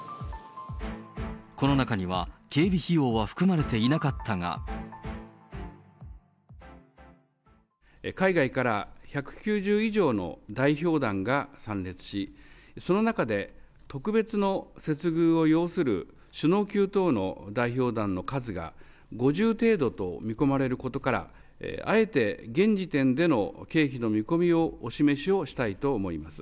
この中には警備費用は含まれてい海外から、１９０以上の代表団が参列し、その中で、特別の接遇を要する首脳級等の代表団の数が５０程度と見込まれることから、あえて現時点での経費の見込みをお示しをしたいと思います。